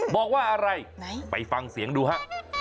บอกว่าอะไรไหนไปฟังเสียงดูฮะ